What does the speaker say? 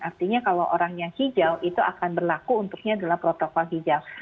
artinya kalau orang yang hijau itu akan berlaku untuknya adalah protokol hijau